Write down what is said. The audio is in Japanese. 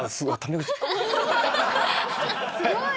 すごい！